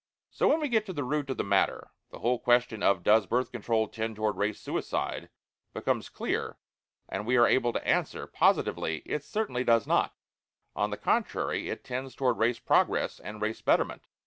So, when we get to the root of the matter, the whole question of "Does Birth Control tend toward Race Suicide?" becomes clear, and we are able to answer, positively, "It certainly does not; on the contrary it tends toward Race Progress and Race Betterment."